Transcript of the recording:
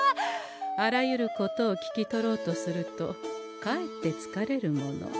あらゆることを聞き取ろうとするとかえってつかれるもの。